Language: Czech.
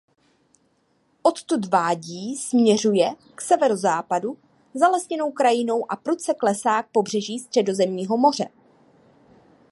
Odtud vádí směřuje k severozápadu zalesněnou krajinou a prudce klesá k pobřeží Středozemního moře.